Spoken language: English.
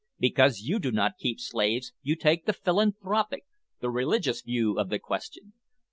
Because you do not keep slaves, you take the philanthropic, the religious view of the question.